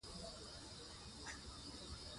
اداره د قانوني چوکاټ دننه فعالیت کوي.